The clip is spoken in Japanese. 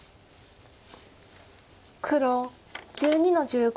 黒１２の十五。